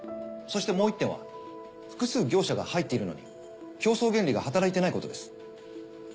そしてもう１点は複数業者が入っているのに競争原理が働いていないことです。